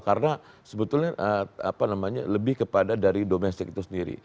karena sebetulnya apa namanya lebih kepada dari domestic itu sendiri